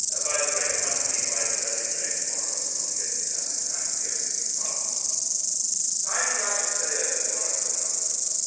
"By the way, we must leave by the early train to morrow if we want to get to town in time for the opening of Parliament." "I think I shall stay over to morrow," I answered.